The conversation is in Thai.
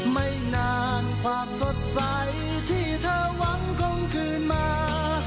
ไม่นานความสดใสที่เธอหวังคงคืนมา